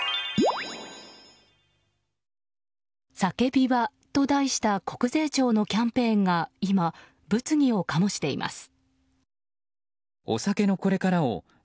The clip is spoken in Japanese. サケビバ！と題した国税庁のキャンペーンが今、物議を醸しています。